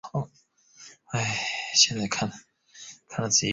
身体被安全带拉住